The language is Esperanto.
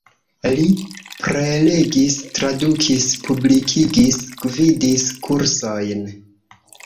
Li prelegis, tradukis, publikigis, gvidis kursojn.